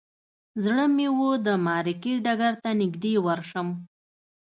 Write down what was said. زړه مې و د معرکې ډګر ته نږدې ورشم.